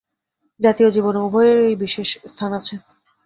জাতীয় জীবনে উভয়েরই বিশেষ স্থান আছে।